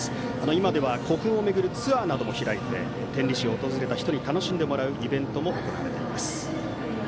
今では古墳を巡るツアーなども開いて天理市を訪れた人に楽しんでもらうイベントも行われています。